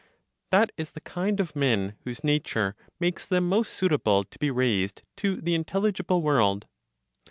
That is the kind of men whose nature makes them most suitable to be raised to the intelligible world.